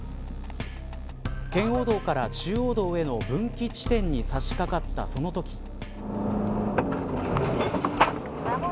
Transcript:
圏央道から中央道への分岐地点に差し掛かったそのとき。